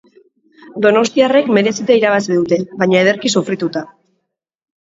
Donostiarrek merezita irabazi dute, baina ederki sufrituta.